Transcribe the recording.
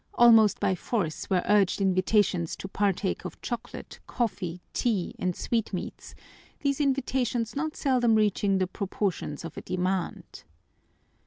Almost by force were urged invitations to partake of chocolate, coffee, tea, and sweetmeats, these invitations not seldom reaching the proportions of a demand.